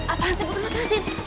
apaan sih putra